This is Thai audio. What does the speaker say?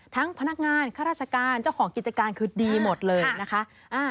พนักงานข้าราชการเจ้าของกิจการคือดีหมดเลยนะคะ